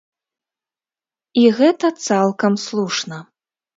І гэта цалкам слушна.